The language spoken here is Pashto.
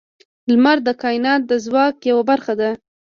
• لمر د کائنات د ځواک یوه برخه ده.